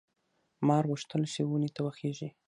مار غوښتل چې ونې ته وخېژي.